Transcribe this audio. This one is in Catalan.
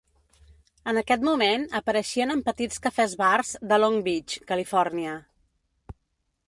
En aquest moment apareixien en petits cafès-bars de Long Beach, Califòrnia.